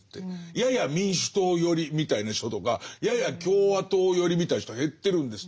やや民主党寄りみたいな人とかやや共和党寄りみたいな人は減ってるんですって。